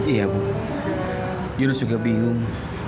iya bu jurus juga bingung